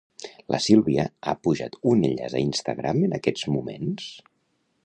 La Sílvia ha pujat un enllaç a Instagram en aquests moments?